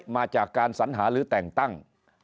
มาจากการสัญหาหรือแต่งตั้ง